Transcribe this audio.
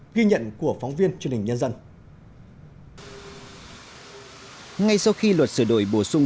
ghi nhận của phóng viên chương trình nhân dân